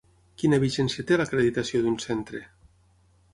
Quina vigència té l'acreditació d'un centre?